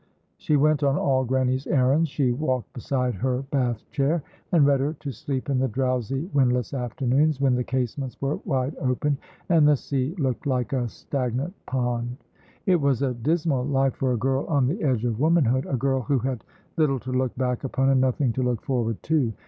She went on all Grannie's errands; she walked beside her Bath chair, and read her to sleep in the drowsy, windless afternoons, when the casements were wide open, and the sea looked like a stagnant pond. It was a dismal life for a girl on the edge of womanhood a girl who had little to look back upon and nothing to look forward to.